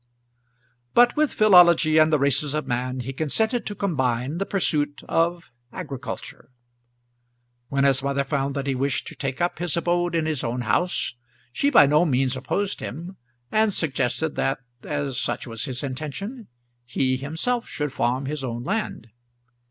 But with philology and the races of man he consented to combine the pursuit of agriculture. When his mother found that he wished to take up his abode in his own house, she by no means opposed him, and suggested that, as such was his intention, he himself should farm his own land.